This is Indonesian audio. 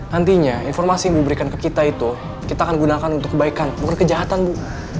nantinya informasi yang diberikan ke kita itu kita akan gunakan untuk kebaikan bukan kejahatan bu